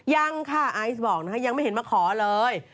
ยังค่ะไอซ์บอกนะคะยังไม่เห็นมาขอเลย